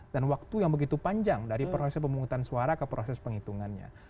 dan waktu yang begitu panjang dari proses pemungutan suara ke proses penghitungannya